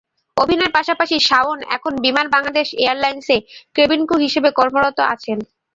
অভিনয়ের পাশাপাশি শাওন এখন বিমান বাংলাদেশ এয়ারলাইনসে কেবিন ক্রু হিসেবে কর্মরত আছেন।